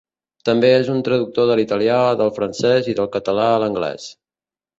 També és un traductor de l'italià, del francès i del català a l'anglès.